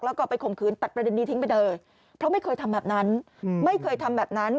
แล้วก็ไปข่มขืนตัดประเด็นนี้ทิ้งไปเลยเพราะไม่เคยทำแบบนั้นไม่เคยทำแบบนั้น